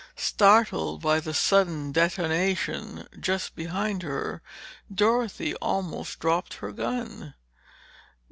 Startled by the sudden detonation just behind her, Dorothy almost dropped her gun.